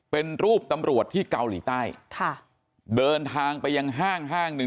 เป็นรูปตำรวจที่เกาหลีใต้ค่ะเดินทางไปยังห้างห้างหนึ่ง